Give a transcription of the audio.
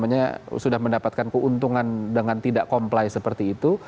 oke nah kalau sudah di apa namanya sudah mendapatkan keuntungan dengan tidak comply seperti itu